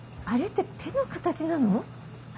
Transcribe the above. あれって手の形なの？